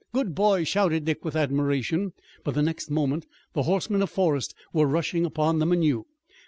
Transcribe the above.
"Good boy!" shouted Dick with admiration, but the next moment the horsemen of Forrest were rushing upon them anew.